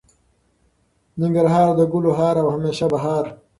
ننګرهار د ګلو هار او همیشه بهار.